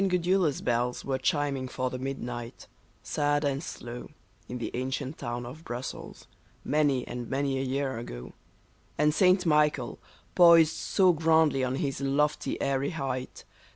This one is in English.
Gudula's bells were chiming for the midnight, sad and slow, In the ancient town of Brussels, many and many a year ago, And St. Michael, poised so grandly on his lofty, airy height.